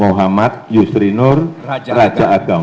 muhammad yusri nur raja agam